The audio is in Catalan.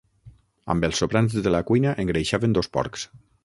Amb els sobrants de la cuina engreixaven dos porcs.